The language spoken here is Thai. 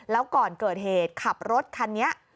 แล้วก่อนเกิดเหตุขับรถคันนี้